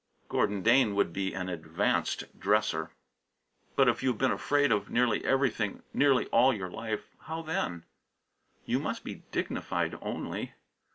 Gordon Dane would be "an advanced dresser." But if you have been afraid of nearly everything nearly all your life, how then? You must be "dignified" only.